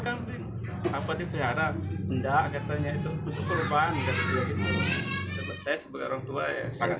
kan apa di pihara enggak katanya itu untuk perubahan dari saya sebagai orangtua ya sangat